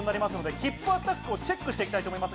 ヒップアタックをチェックしていきたいと思います。